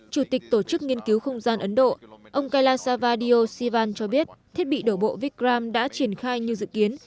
chủ tịch tổ chức nghiên cứu không gian ấn độ ông kailashavadio sivan cho biết thiết bị đổ bộ vikram đã triển khai như dự kiến